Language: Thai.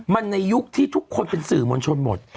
มันในยุคที่ทุกคนเป็นสื่อมวลชนหมด